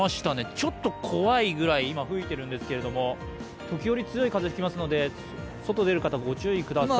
ちょっと怖いぐらい今、吹いているんですけども時折強い風が吹きますので、外に出る方、ご注意ください。